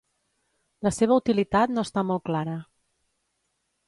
La seva utilitat no està molt clara.